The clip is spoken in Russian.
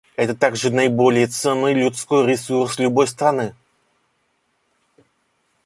Это также наиболее ценный людской ресурс любой страны.